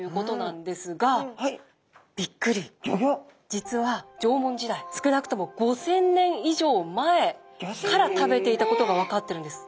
実は縄文時代少なくとも５，０００年以上前から食べていたことが分かってるんです。